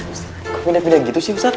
ustaz kok pindah pindah gitu sih ustaz